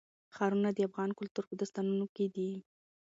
ښارونه د افغان کلتور په داستانونو کې دي.